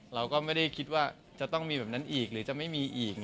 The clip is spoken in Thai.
เราก็ไม่ได้คิดว่าจะต้องมีแบบนั้นอีกหรือจะไม่มีอีก